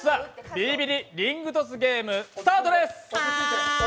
ビリビリリングトスゲームスタートです！